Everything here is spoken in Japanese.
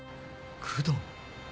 工藤。